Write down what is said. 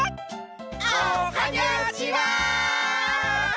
おはにゃちは！